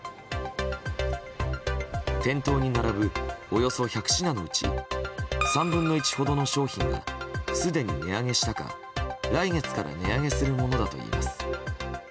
店頭に並ぶおよそ１００品のうち３分の１ほどの商品がすでに値上げしたか来月から値上げするものだといいます。